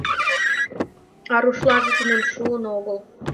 — А рушлаже тунем шуын огыл.